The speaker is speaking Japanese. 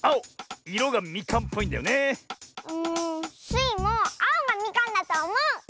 スイもあおがみかんだとおもう！